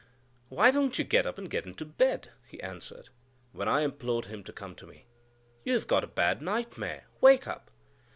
"Why don't you get up and get into bed?" he answered, when I implored him to come to me. "You have got a bad nightmare; wake up!"